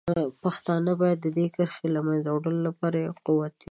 پښتانه باید د دې کرښې د له منځه وړلو لپاره یو قوت وي.